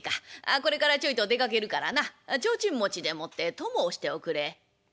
これからちょいと出かけるからな提灯持ちでもって供をしておくれ」。